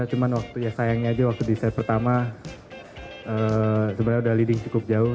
cuman sayangnya aja waktu di set pertama sebenarnya udah leading cukup jauh